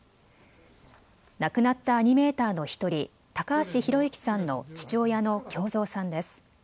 亡くなったアニメーターの１人、高橋博行さんの父親の喬造さんです。